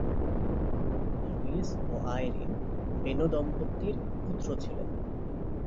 Luis ও Irene Benaud দম্পতির পুত্র ছিলেন।